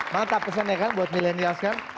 mantap pesannya kan buat milenial kan